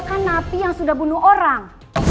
kan napi yang sudah bunuh orang